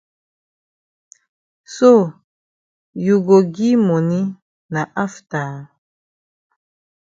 So you go gi moni na afta.